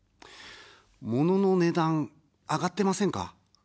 モノの値段、上がってませんか。